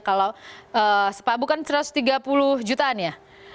kalau bukan satu ratus tiga puluh jutaan ya